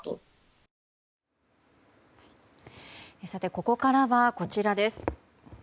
ここからは、こちらです。